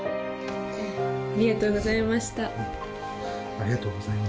ありがとうございます。